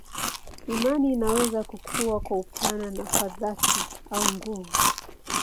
Imani inaweza kukua kwa upana na kwa dhati au nguvu.